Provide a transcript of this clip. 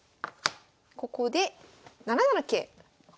ここで７七桂。